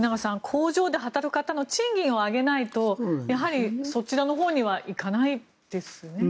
工場で働く方の賃金を上げないとやはり、そちらのほうにはいかないですね。